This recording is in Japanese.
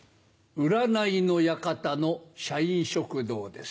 占いの館の社員食堂です。